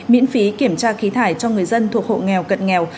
miễn phí kiểm tra khí thải cho người dân thuộc hộ nghèo cận nghèo